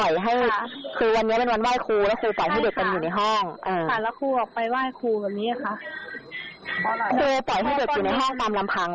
เริ่มแรกเลยใช่ไหมคะ